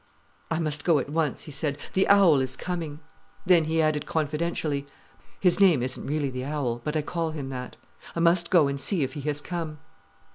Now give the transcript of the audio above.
"I must go at once," he said. "The owl is coming." Then he added confidentially: "His name isn't really the owl, but I call him that. I must go and see if he has come."